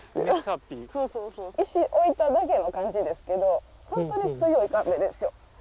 石置いただけの感じですけど本当に強い壁ですよ。